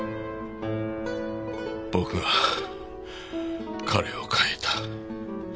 僕が彼を変えた。